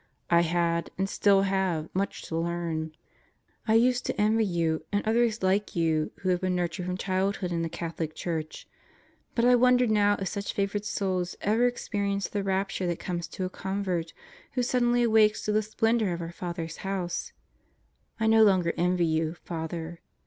I had, and still have, much to learn. I used to envy you and others like you who had been nurtured from childhood in the Catholic Church, but I wonder now if such favored souls ever experience the rapture that comes to a convert who suddenly awakes to the splendor of our Father's House. I no longer envy you, Father.